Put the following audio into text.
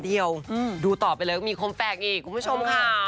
แต่โบมไม่มีอาการแบบนั้นแน่นอน